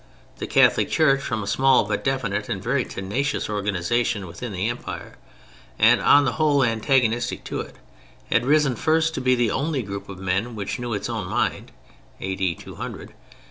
The Catholic Church, from a small but definite and very tenacious organization within the Empire, and on the whole antagonistic to it, had risen, first, to be the only group of men which knew its own mind (200 A.D.)